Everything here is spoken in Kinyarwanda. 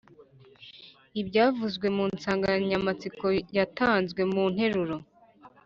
ibyavuzwe mu nsanganyamatsiko yatanzwe mu nteruro.